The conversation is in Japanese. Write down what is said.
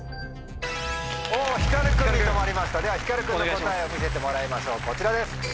ひかる君に止まりましたではひかる君の答えを見せてもらいましょうこちらです。